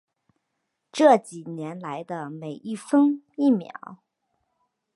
这几年来的每一分一秒